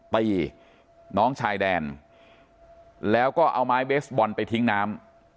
ตีน้องชายแดนแล้วก็เอาไม้เบสบอลไปทิ้งน้ำ